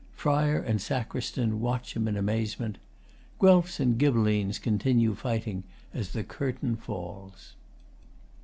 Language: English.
FRI. and SACR. watch him in amazement. Guelfs and Ghibellines continue fighting as the Curtain falls.